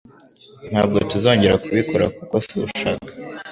Ntabwo tuzongera kubikora kuko sushaka.